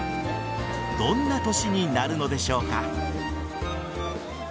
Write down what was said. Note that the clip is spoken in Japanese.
どんな年になるのでしょうか。